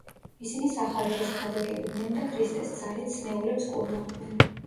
ისინი სახარებას ქადაგებდნენ და ქრისტეს ძალით სნეულებს კურნავდნენ.